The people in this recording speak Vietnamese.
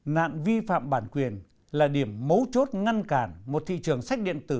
nạn vi phạm bản quyền là điểm mấu chốt ngăn cản một thị trường sách điện tử